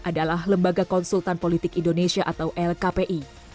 adalah lembaga konsultan politik indonesia atau lkpi